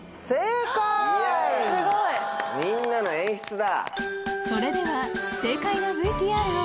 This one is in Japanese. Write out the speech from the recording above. すごい！みんなの演出だ。